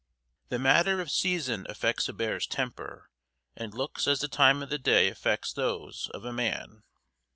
The matter of season affects a bear's temper and looks as the time of the day affects those of a man.